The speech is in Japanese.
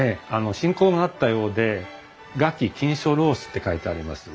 親交があったようで「臥起弄琴書」って書いてあります。